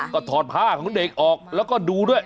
ก็ถอดผ้าของเด็กออกแล้วก็ดูด้วย